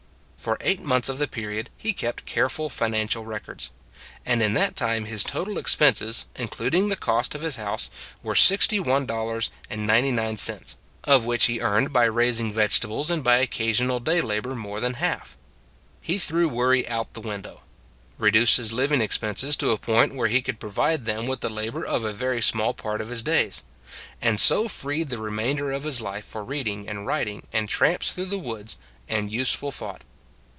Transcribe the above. For eight months of the period he kept careful financial records; and in that time his total expenses, including the cost of his house, were $61.99, f which he earned by raising vegetables and by occasional day labor more than half. He threw worry out of the window; re duced his living expenses to a point where he could provide them with the labor of a very small part of his days; and so freed the remainder of his life for reading and writing and tramps through the woods and useful thought.